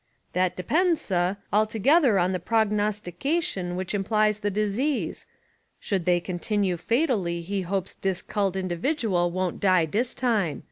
"That depends, sah, altogether on the prognostication which implies the disease ; should they continue fatally he hopes dis culled individual won't die dis time.